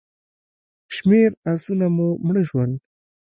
شمېر آسونه مو مړه شول.